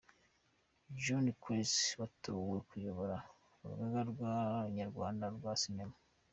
John Kwezi watorewe kuyobora Urugaga nyarwanda Rwa Sinema.